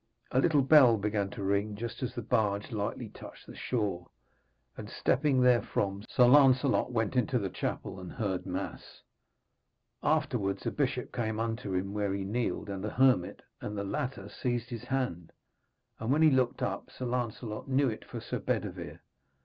A little bell began to ring just as the barge lightly touched the shore, and stepping therefrom, Sir Lancelot went into the chapel, and heard mass. Afterwards a bishop came unto him where he kneeled, and a hermit, and the latter seized his hand; and when he looked up Sir Lancelot knew it for Sir Bedevere.